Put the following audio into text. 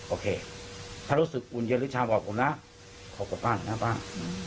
โอเคถ้ารู้สึกอุ่นเย็นหรือชาบอกผมนะขอกลับบ้านหน้าบ้าน